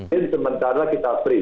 mungkin sementara kita free